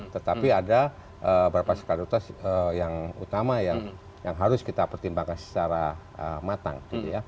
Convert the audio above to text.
tetapi ada beberapa skala prioritas yang utama yang harus kita pertimbangkan secara matang